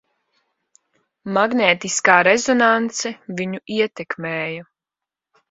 Magnētiskā rezonanse viņu ietekmēja.